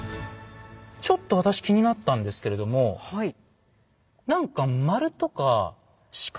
ちょっと私気になったんですけれどもへえ。